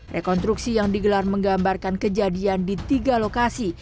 rekonstruksi yang digelar menggambarkan kejadian di tiga lokasi